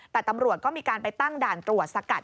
แต่ตำรวจก็มีการไปตั้งด่านตรวจสกัด